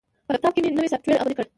په لپټاپ کې مې نوی سافټویر عملي کړ.